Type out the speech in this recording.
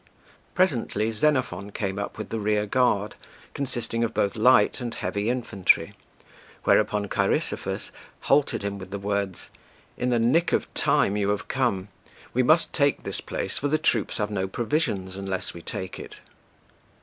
Presently Xenophon came up with the rearguard, consisting of both light and heavy infantry, whereupon Cheirisophus halted him with the words: "In the nick of time you have come; we must take this place, for the troops have no provisions, unless we take it."